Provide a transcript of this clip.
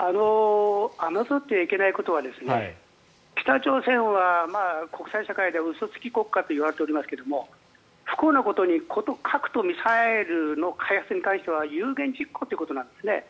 侮ってはいけないことは北朝鮮は国際社会では嘘つき国家といわれていますけど不幸なことに核とミサイルの開発に対しては有言実行ということなんですね。